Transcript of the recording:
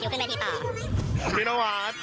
ไปค่ะถึงคิวขึ้นกันทีต่อ